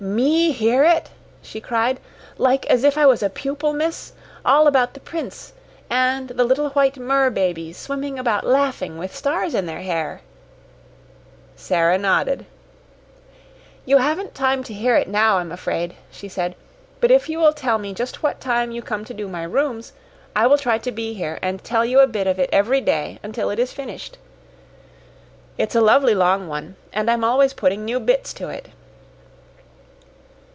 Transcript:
"Me hear it?" she cried. "Like as if I was a pupil, miss! All about the Prince and the little white Mer babies swimming about laughing with stars in their hair?" Sara nodded. "You haven't time to hear it now, I'm afraid," she said; "but if you will tell me just what time you come to do my rooms, I will try to be here and tell you a bit of it every day until it is finished. It's a lovely long one and I'm always putting new bits to it."